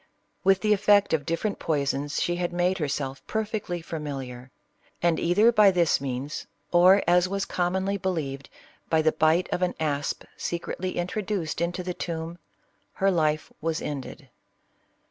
With the effect of different poisons she had made herself perfectly familiar; and either by this means, or, as was commonly believed, by the bite of an asp secretly introduced into the tomb, her life was ended.